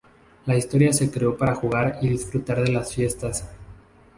La historia se creó para jugar y disfrutar de las fiestas.